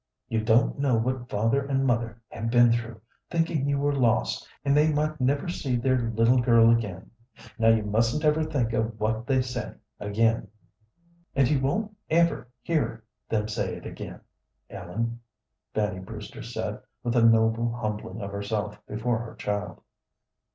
You don't know what father and mother have been through, thinking you were lost and they might never see their little girl again. Now you mustn't ever think of what they said again." "And you won't ever hear them say it again, Ellen," Fanny Brewster said, with a noble humbling of herself before her child.